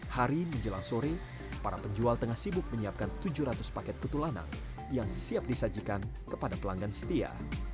hari menjelang sore para penjual tengah sibuk menyiapkan tujuh ratus paket petulanang yang siap disajikan kepada pelanggan setia